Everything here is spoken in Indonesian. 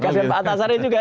kasian pak antasari juga